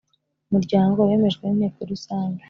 muryango bemejwe n inteko rusange